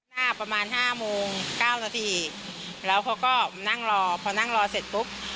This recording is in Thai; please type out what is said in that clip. หน้าประมาณห้าโมงเก้านาทีแล้วเขาก็นั่งรอพอนั่งรอเสร็จปุ๊บ